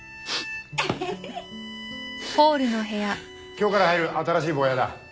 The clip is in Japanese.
今日から入る新しいボーヤだ。